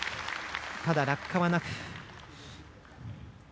ただ、落下はなく。